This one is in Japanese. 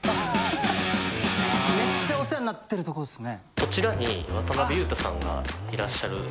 めっちゃお世話になってるとこですね。